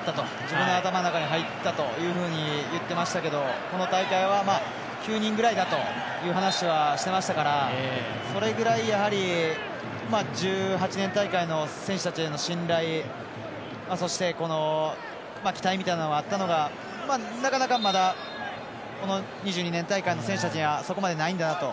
自分の頭の中に入ってたと言っていましたけど、この大会は９人ぐらいだという話はしていましたからそれぐらい、やはり１８年大会の選手たちへの信頼そして期待みたいなのがあったのがなかなか、まだ２２年大会の選手たちにはそこまでないんだなと。